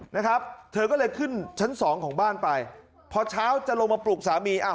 นะครับเธอก็เลยขึ้นชั้นสองของบ้านไปพอเช้าจะลงมาปลุกสามีอ้าว